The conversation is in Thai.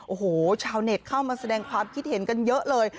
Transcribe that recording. โอ้โหชาวเน็ตเข้ามาแสดงความคิดเห็นกันเยอะเลย